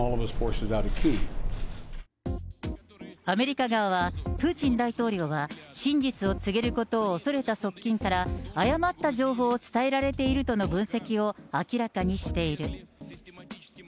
アメリカ側はプーチン大統領は真実を告げることを恐れた側近から誤った情報を伝えられているとの分析を明らかにしている。